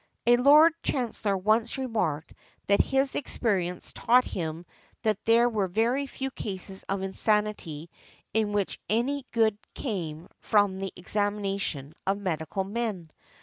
A Lord Chancellor once remarked that his experience taught him that there were very few cases of insanity in which any good came from the examination of medical men.